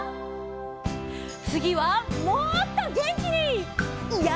つぎはもっとげんきに！